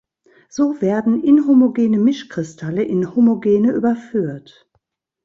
So werden inhomogene Mischkristalle in homogene überführt.